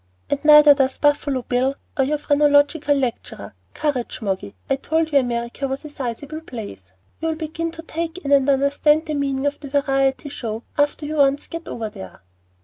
"And neither does Buffalo Bill and your phrenological lecturer. Courage, Moggy. I told you America was a sizable place. You'll begin to take in and understand the meaning of the variety show after you once get over there."